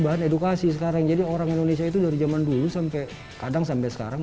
bahan edukasi sekarang jadi orang indonesia itu dari zaman dulu sampai kadang sampai sekarang